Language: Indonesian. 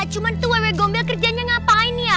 cuman tuh ww gombel kerjanya ngapain ya